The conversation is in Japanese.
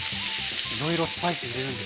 いろいろスパイス入れるんですね。